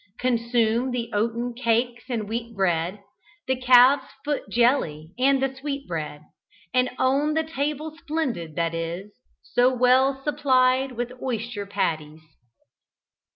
Consume the oaten cakes and wheat bread, The calves foot jelly and the sweet bread, And own the table splendid, that is So well supplied with oyster patties."